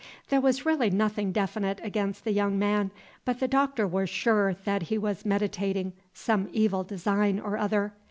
There was really nothing definite against this young man; but the Doctor was sure that he was meditating some evil design or other.